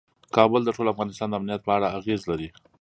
کابل د ټول افغانستان د امنیت په اړه اغېز لري.